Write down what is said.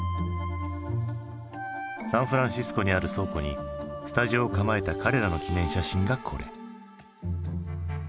サンフランシスコにある倉庫にスタジオを構えた彼らの記念写真がこれ。